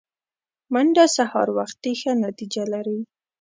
منډه سهار وختي ښه نتیجه لري